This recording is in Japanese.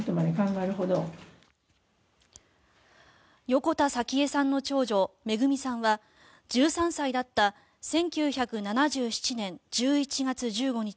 横田早紀江さんの長女めぐみさんは１３歳だった１９７７年１１月１５日